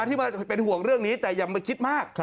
ที่เป็นห่วงเรื่องนี้แต่อย่ามาคิดมาก